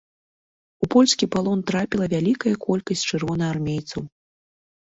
У польскі палон трапіла вялікая колькасць чырвонаармейцаў.